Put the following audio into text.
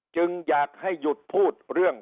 จึงอยากให้หยุดพูดเรื่อง